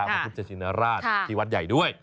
ของภูเจชินราชที่วัดใหญ่ด้วย